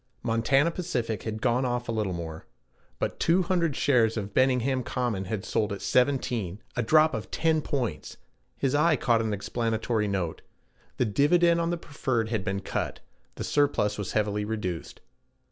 Montana Pacific had gone off a little more. But 200 shares of Benningham Common had sold at 17, a drop of ten points! His eye caught an explanatory note: the dividend on the preferred had been cut; the surplus was heavily reduced.